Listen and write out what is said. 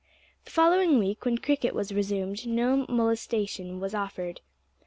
The following week, when cricket was resumed, no molestation was offered.